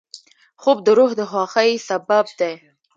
خوب د روح د خوښۍ سبب دی